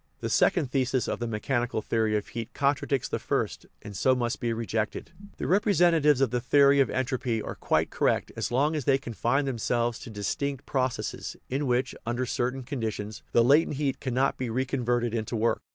The second thesis of the mechan ical theory of heat contradicts the first, and so must be rejected. The representatives of the theory of entropy are quite correct as long as they confine themselves to dis tinct processes, in which, under certain conditions, the latent heat cannot be reconverted into work.